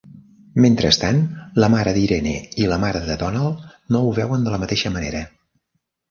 Mentrestant, la mare d'Irene i la mare de Donald no ho veuen de la mateixa manera.